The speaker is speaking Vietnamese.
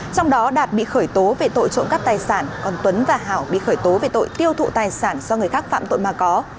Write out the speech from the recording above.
trong đó đạt bị khởi tố về tội trộm cắp tài sản còn tuấn và hảo bị khởi tố về tội tiêu thụ tài sản do người khác phạm tội mà có